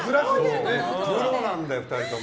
プロなんだよ、２人とも。